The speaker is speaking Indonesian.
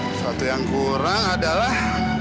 sesuatu yang kurang adalah